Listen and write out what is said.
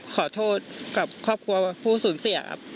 ขอโทษกับครอบครัวผู้สูญเสียครับ